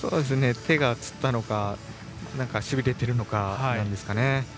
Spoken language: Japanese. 手がつったのかしびれているのかですかね。